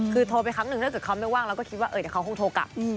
คือโทรไปครั้งหนึ่งถ้าเกิดเขาไม่ว่างเราก็คิดว่าเดี๋ยวเขาคงโทรกลับ